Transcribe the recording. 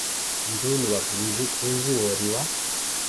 Ntuulu wa Puuzi, khuuziwa oriwa.